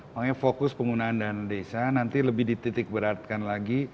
makanya fokus penggunaan dana desa nanti lebih dititik beratkan lagi